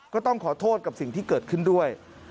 ก็ต้องขอโทษกับสิ่งที่เกิดขึ้นด้วย